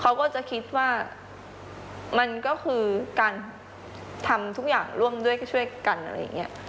เขาก็จะคิดว่ามันก็คือการทำทุกอย่างร่วมด้วยก็ช่วยกันอะไรอย่างนี้